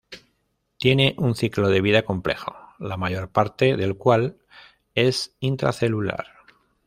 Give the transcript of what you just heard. Tiene un ciclo de vida complejo, la mayor parte del cual es intracelular.